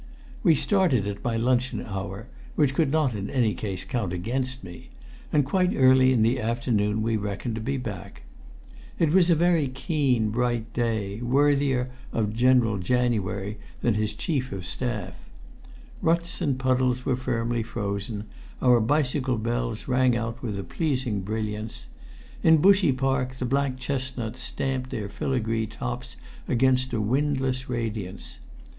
We started at my luncheon hour, which could not in any case count against me, and quite early in the afternoon we reckoned to be back. It was a very keen bright day, worthier of General January than his chief of staff. Ruts and puddles were firmly frozen; our bicycle bells rang out with a pleasing brilliance. In Bushey Park the black chestnuts stamped their filigree tops against a windless radiance.